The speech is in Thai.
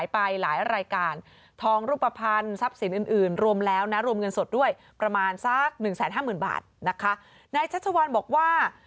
ประมาณสักหนึ่งแสนห้าหมื่นบาทนะคะนายชัชวัลบอกว่า